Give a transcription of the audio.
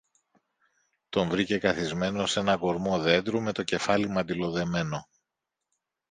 Τον βρήκε καθισμένο σ' έναν κορμό δέντρου με το κεφάλι μαντιλοδεμένο.